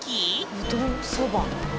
うどんそば。